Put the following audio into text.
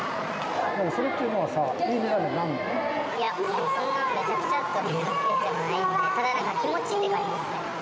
それってさ、いい値段になるいや、そんなにめちゃくちゃってわけでもないので、ただの気持ちって感じですね。